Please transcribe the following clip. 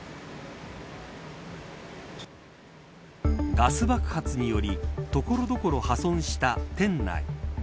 ガス爆発により所々破損した店内。